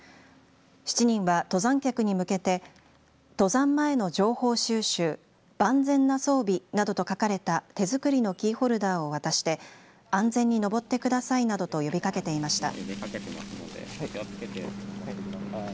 ７人は登山客に向けて登山前の情報収集万全な装備などと書かれた手作りのキーホルダーを渡して安全に登ってくださいなどと呼びかけていました。